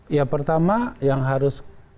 ya pertama yang harus